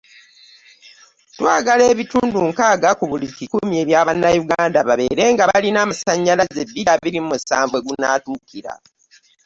Twagala ebitundu nkaaga ku buli kikumi ebya bannayuganda babeere nga balina amasannyalaze bbiri abiri mu musanvu we gunaatuukira.